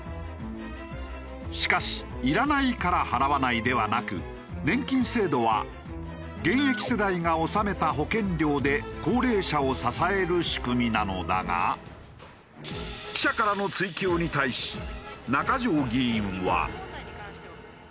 しかしいらないから払わないではなく年金制度は現役世代が納めた保険料で高齢者を支える仕組みなのだが記者からの追及に対し中条議員は。